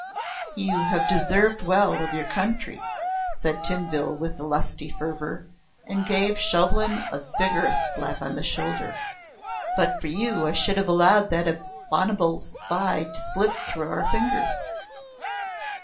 "You have deserved well of your country," said Tinville with lusty fervour, and gave Chauvelin a vigorous slap on the shoulder. "But for you I should have allowed that abominable spy to slip through our fingers."